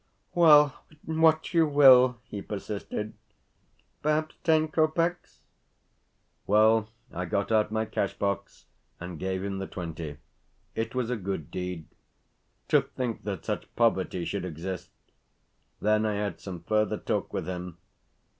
"Well, what you will," he persisted. "Perhaps ten kopecks?" Well I got out my cash box, and gave him the twenty. It was a good deed. To think that such poverty should exist! Then I had some further talk with him.